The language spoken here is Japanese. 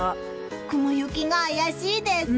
雲行きが怪しいです！